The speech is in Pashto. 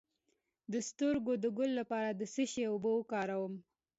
د سترګو د ګل لپاره د څه شي اوبه وکاروم؟